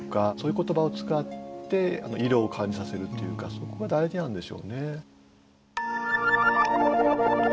そこが大事なんでしょうね。